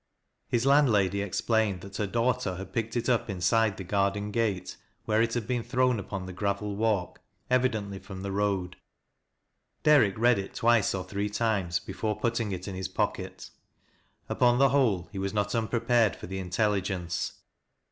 His landlady ex plained that her daughter had picked it up inside the garden gate, where it had been thrown upon the gravel walk, evidently from the road. Derrick read it twice or three times before putting it in his pocket. Upon the whole, he was not unprepared for the intelligence.